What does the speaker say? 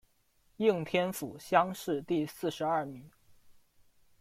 应天府乡试第四十二名。